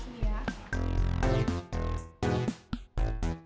belum lagi ya